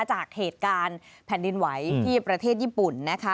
จากเหตุการณ์แผ่นดินไหวที่ประเทศญี่ปุ่นนะคะ